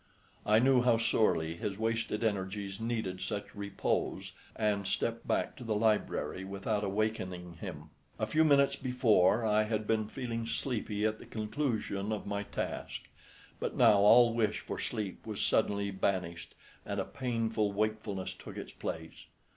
I knew how sorely his wasted energies needed such repose, and stepped back to the library without awaking him. A few minutes before, I had been feeling sleepy at the conclusion of my task, but now all wish for sleep was suddenly banished and a painful wakefulness took its place.